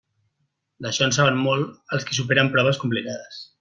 D'això en saben molt els qui superen proves complicades.